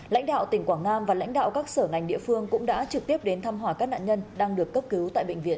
lãnh đạo tỉnh quảng nam và lãnh đạo các sở ngành địa phương cũng đã trực tiếp đến thăm hỏi các nạn nhân đang được cấp cứu tại bệnh viện